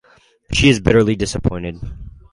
She is bitterly disappointed.